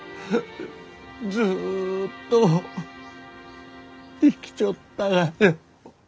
ずっと生きちょったがよ。